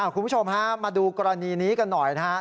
คุณผู้ชมฮะมาดูกรณีนี้กันหน่อยนะครับ